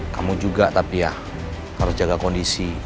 kamu juga tapi ya harus jaga kondisi